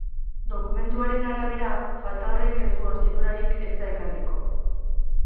Dokumentuaren arabera, falta horrek ez du hornidurarik eza ekarriko.